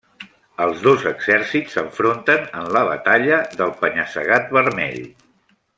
Els dos exèrcits s'enfronten en la Batalla del Penya-Segat vermell.